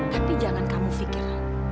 tapi jangan kamu pikir